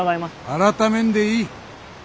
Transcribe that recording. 改めんでいい。